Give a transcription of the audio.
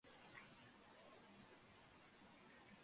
La compañía fue renombrada posteriormente como "Ingo Maurer GmbH".